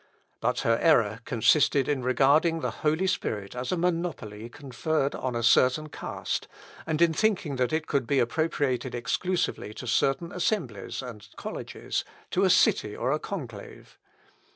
But her error consisted in regarding the Holy Spirit as a monopoly conferred on a certain caste, and in thinking that it could be appropriated exclusively to certain assemblies and colleges, to a city or a conclave.